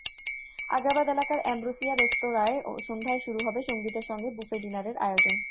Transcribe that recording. আগ্রাবাদ এলাকার অ্যাম্ব্রোসিয়া রেস্তোরাঁয় সন্ধ্যায় শুরু হবে সংগীতের সঙ্গে বুফে ডিনারের আয়োজন।